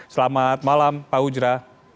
selamat malam pak hujra